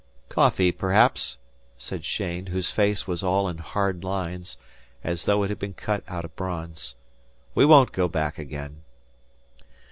"Coffee, perhaps," said Cheyne, whose face was all in hard lines, as though it had been cut out of bronze. "We won't go back again."